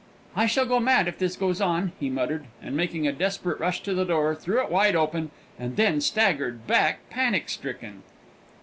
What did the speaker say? "I shall go mad if this goes on!" he muttered, and making a desperate rush to the door, threw it wide open, and then staggered back panic stricken.